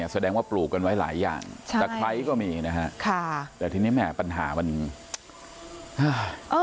แสดงว่าปลูกกันไว้หลายอย่างใช่ตะไคร้ก็มีนะฮะค่ะแต่ทีนี้แม่ปัญหามันอ่า